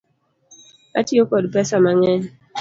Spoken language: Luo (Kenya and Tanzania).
Atiyo kod pesa mang'eny .